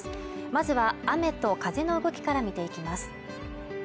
まずは雨と風の動きから見ていきます